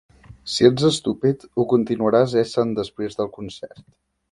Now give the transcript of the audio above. Si ets estúpid, ho continuaràs essent després del concert.